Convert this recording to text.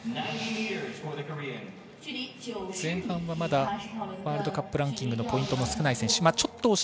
前半は、まだワールドカップランキングのポイントの少ない選手。